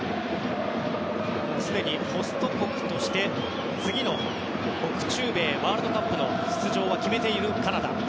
すでにホスト国として次の北中米ワールドカップの出場を決めているカナダ。